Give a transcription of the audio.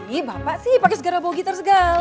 ih bapak sih pakai segala bau gitar segala